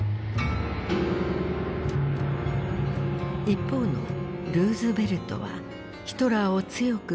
一方のルーズベルトはヒトラーを強く警戒していた。